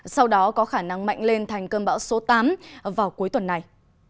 sau đó có khả năng mạnh lên thành cơn bão số tám vào cuối tuần này